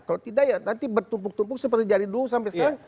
kalau tidak ya nanti bertumpuk tumpuk seperti dari dulu sampai sekarang